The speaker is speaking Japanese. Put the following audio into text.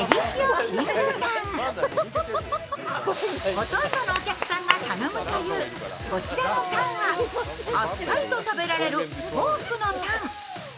ほとんどのお客さんが頼むというこちらのタンは、あっさりと食べられるポークのタン。